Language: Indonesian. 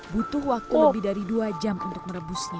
butuh waktu lebih dari dua jam untuk merebusnya